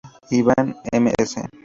Ivan, Ms.